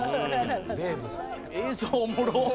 映像おもろっ！